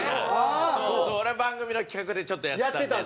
俺は番組の企画でちょっとやってたんで。